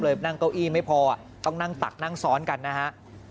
นั่งเก้าอี้ไม่พอต้องนั่งตักนั่งซ้อนกันนะฮะ